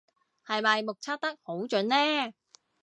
係咪目測得好準呢